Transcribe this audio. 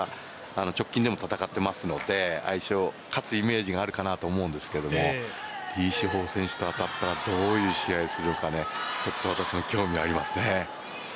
直近でも戦ってるので相性、勝つイメージがあるかなと思うんですけども李詩ハイ選手と当たったらどういう試合をするのか、私も興味がありますね。